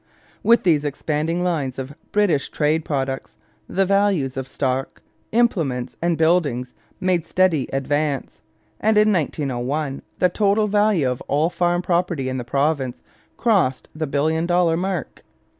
With these expanding lines of British trade products, the values of stock, implements, and buildings made steady advance, and in 1901 the total value of all farm property in the province crossed the billion dollar mark.